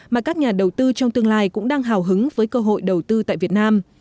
mà các nhà đầu tư trong tương lai cũng đang hào hứng với cơ hội đầu tư tại việt nam